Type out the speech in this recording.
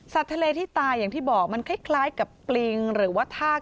ทะเลที่ตายอย่างที่บอกมันคล้ายกับปลิงหรือว่าทาก